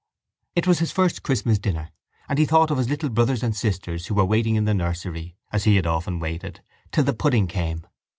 It was his first Christmas dinner and he thought of his little brothers and sisters who were waiting in the nursery, as he had often waited, till the pudding came.